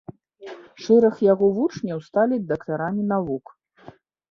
Шэраг яго вучняў сталі дактарамі навук.